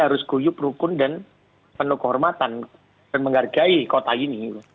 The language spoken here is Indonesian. harus guyup rukun dan penuh kehormatan dan menghargai kota ini